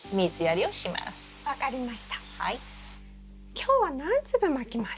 今日は何粒まきますか？